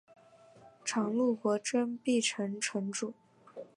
常陆国真壁城城主。